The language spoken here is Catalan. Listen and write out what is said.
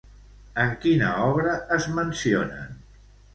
En quina obra es mencionen?